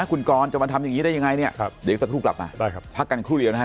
คุณกรจะมาทำอย่างนี้ได้ยังไงเนี่ยเดี๋ยวอีกสักครู่กลับมาได้ครับพักกันครู่เดียวนะฮะ